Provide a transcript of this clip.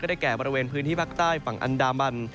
ได้แก่บริเวณพื้นที่ภาคใต้ฝั่งอันดามัน